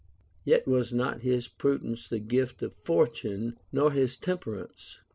Yet was not his prudence the gift of Fortune, nor his temperance.